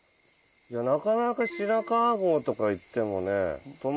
なかなか白川郷とか行ってもね。